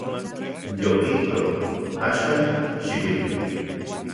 Yokijto; axkan, xiuiki.